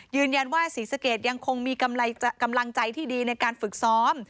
ยืนยันว่าศรีสะเกดยังคงมีกำลังใจที่ดีในการฝึกซ้อม